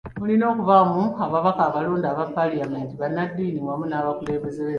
Mulina okubaamu ababaka abalonde aba Paalamenti, bannaddiini wamu n'abakulembeze b'ensikirano.